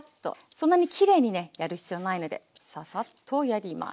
そんなにきれいにねやる必要ないのでササッとやります。